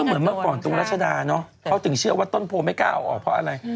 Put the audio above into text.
เหมือนเมื่อก่อนตรงรัชดาเนอะเขาถึงเชื่อว่าต้นโพไม่กล้าเอาออกเพราะอะไร